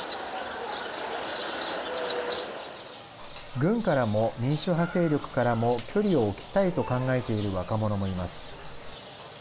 軍からも民主派勢力からも距離を置きたいと考えている若者もいます。